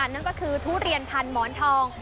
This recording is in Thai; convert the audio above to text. นั่นก็คือทุเรียนพันหมอนทอง